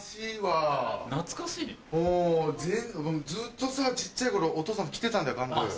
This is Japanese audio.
ずっと小っちゃい頃お父さんと来てたんだよ